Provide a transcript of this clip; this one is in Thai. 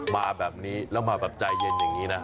มาแบบนี้แล้วมาแบบใจเย็นอย่างนี้นะ